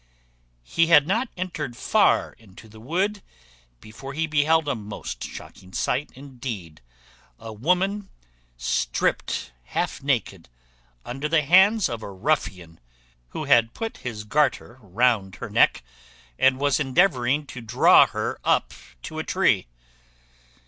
He had not entered far into the wood before he beheld a most shocking sight indeed, a woman stript half naked, under the hands of a ruffian, who had put his garter round her neck, and was endeavouring to draw her up to a tree.